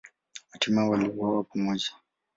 Hatimaye waliuawa pamoja.